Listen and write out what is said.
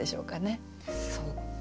そっか